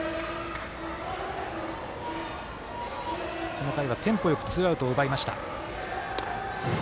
この回はテンポよくツーアウトを奪いました。